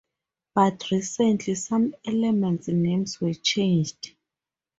But recently, some elements' names were changed.